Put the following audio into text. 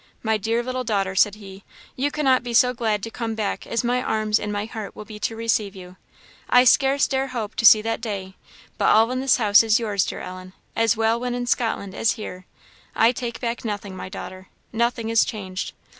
"My dear little daughter," said he, "you cannot be so glad to come back as my arms and my heart will be to receive you. I scarce dare hope to see that day, but all in this house is yours, dear Ellen, as well when in Scotland as here. I take back nothing, my daughter. Nothing is changed."